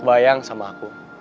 kebayang sama aku